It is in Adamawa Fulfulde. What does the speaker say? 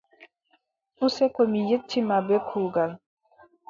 Useko mi yetti ma bee kuugal.